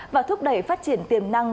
và thúc đẩy phát triển tiềm năng